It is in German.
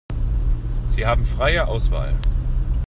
Sie haben freie Auswahl.